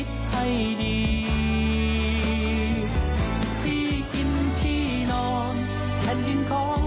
เส้นทางต่อจากนี้จงปลองดูให้ดีด้วยหัวใจ